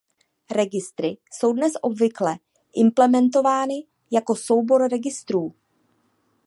Registry jsou dnes obvykle implementovány jako soubor registrů.